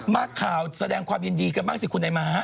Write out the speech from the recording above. มาข่าวแสดงความยึดดีกับบางสิคุณไอม่า